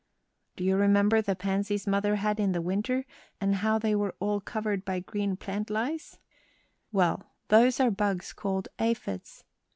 Do you remember the pansies mother had in the winter, and how they were all covered by green plant lice? Well, those are bugs called aphids.